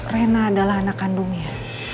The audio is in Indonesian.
rena adalah anak kandungnya